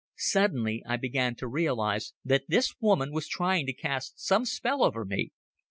Suddenly I began to realize that this woman was trying to cast some spell over me.